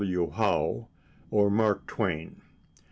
W. Howe or Mark Twain.